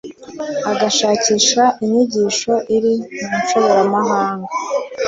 agashakisha inyigisho iri mu nshoberamahanga,